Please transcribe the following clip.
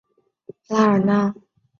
拉尔纳。